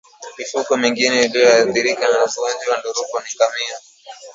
Mifugo mingine inayoathirika na ugonjwa wa ndorobo ni ngamia